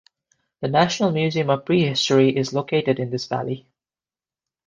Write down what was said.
The national museum of prehistory is located in this valley.